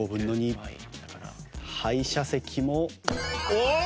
おっ！